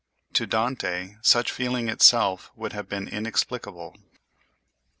To Dante such feeling itself would have been inexplicable.